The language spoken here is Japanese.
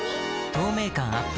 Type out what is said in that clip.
透明感アップ